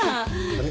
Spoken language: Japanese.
あれ？